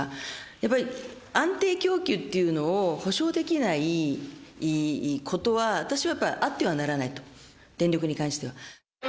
やっぱり安定供給っていうのを保証できないことは、私はやっぱあってはならないと、電力に関しては。